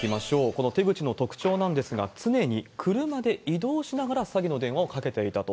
この手口の特徴なんですが、常に車で移動しながら詐欺の電話をかけていたと。